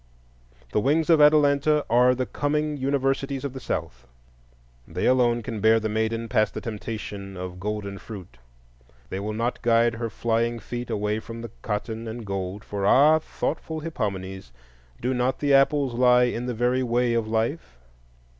The Wings of Atalanta are the coming universities of the South. They alone can bear the maiden past the temptation of golden fruit. They will not guide her flying feet away from the cotton and gold; for—ah, thoughtful Hippomenes!—do not the apples lie in the very Way of Life?